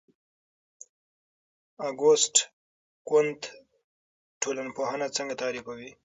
اګوست کُنت ټولنپوهنه څنګه تعریفوي؟